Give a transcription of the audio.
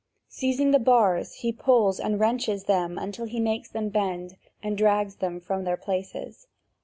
Seizing the bars, he pulls and wrenches them until he makes them bend and drags them from their places.